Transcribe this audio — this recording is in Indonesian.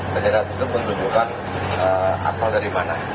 bendera itu menunjukkan asal dari mana